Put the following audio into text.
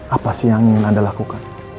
apa sih yang ingin anda lakukan